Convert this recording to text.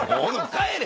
帰れ！